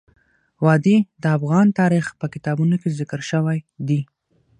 وادي د افغان تاریخ په کتابونو کې ذکر شوی دي.